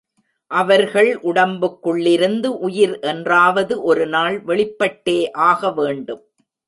அவர்கள் உடம்புக்குள்ளிருந்து உயிர் என்றாவது ஒரு நாள் வெளிப்பட்டே ஆக வேண்டும்.